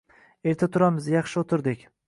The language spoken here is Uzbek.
Endi turamiz yaxshi o`tirdik